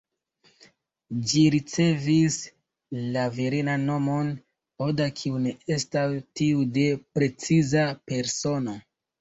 Ĝi ricevis la virinan nomon ""Oda"", kiu ne estas tiu de preciza persono.